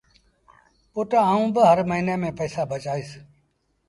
پُٽ آئوٚݩ با هر موهيݩي ميݩ پئيٚسآ بچآئيٚس۔